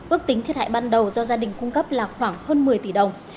ước tính thiết hại ban đầu do gia đình cung cấp là khoảng hơn một mươi tỷ đồng